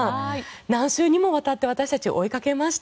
何週にもわたって私たち追いかけました。